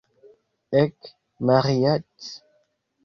Ek, Maĥiac!